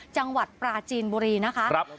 จังหวัดปราจีนบุรีนะคะ